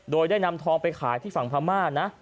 โดยได้นำทองไปขายที่ฝั่งพม่านะ